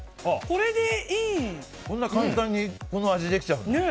こんな簡単にこの味できちゃう。